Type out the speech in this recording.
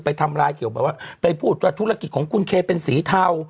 ทำลายเกี่ยวแบบว่าไปพูดว่าธุรกิจของคุณเคเป็นสีเทา